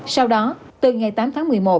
sau đó từ ngày tám tháng một mươi một